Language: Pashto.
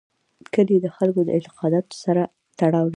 کلي د خلکو له اعتقاداتو سره تړاو لري.